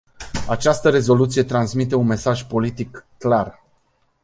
Această rezoluție transmite un mesaj politic clar.